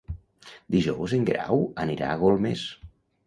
Dijous en Guerau anirà a Golmés.